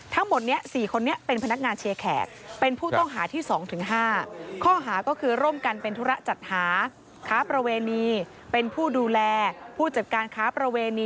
ทั้งหมดนี้๔คนนี้เป็นพนักงานเชียร์แขก